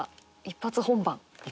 一発本番。